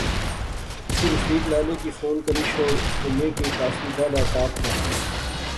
تو رفیق لالے کی فون کری شوڑ کہ میں کی کافی ڈاھڈا تپ دا